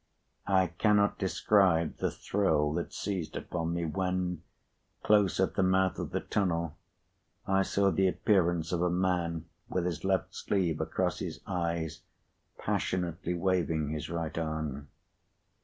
I cannot describe the thrill that seized upon me, when, close at the mouth of the tunnel, I saw the appearance of a man, with his left sleeve across his eyes, passionately waving his right arm.